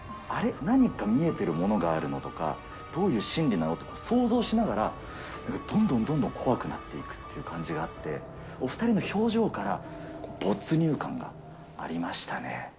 あれ、何か見えてるものがあるなとか、どういう心理なのとか想像しながら、どんどんどんどん怖くなっていくという感じがあって、お２人の表情から没入感がありましたね。